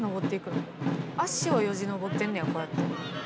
脚をよじ登ってんねやこうやって。